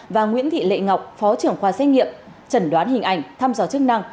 và nguyễn thị lệ ngọc phó trưởng khoa xét nghiệm chẩn đoán hình ảnh thăm dò chức năng